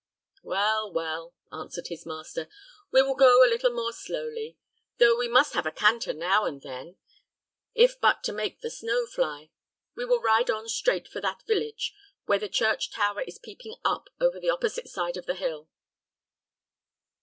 "Well, well," answered his master, "we will go a little more slowly, though we must have a canter now and then, if but to make the snow fly. We will ride on straight for that village where the church tower is peeping up over the opposite side of the hill."